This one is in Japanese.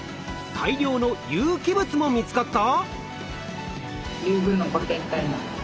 大量の有機物も見つかった！？